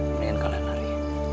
mendingan kalian lari